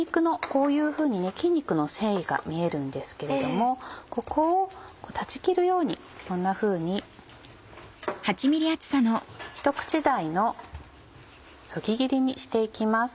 こういうふうに筋肉の繊維が見えるんですけれどもここを断ち切るようにこんなふうにひと口大のそぎ切りにして行きます。